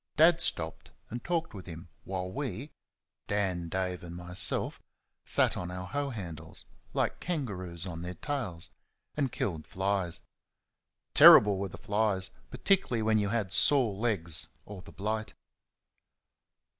Dad stopped and talked with him while we (Dan, Dave and myself) sat on our hoe handles, like kangaroos on their tails, and killed flies. Terrible were the flies, particularly when you had sore legs or the blight.